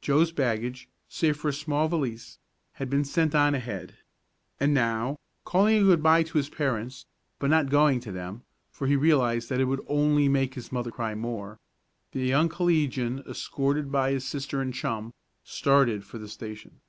Joe's baggage, save for a small valise, had been sent on ahead, and now, calling a good bye to his parents, but not going to them, for he realized that it would only make his mother cry more, the young collegian, escorted by his sister and chum, started for the station.